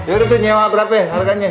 yaudah betul nyewa berapa ya harganya